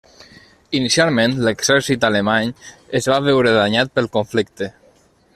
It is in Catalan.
Inicialment, l'exèrcit alemany es va veure danyat pel conflicte.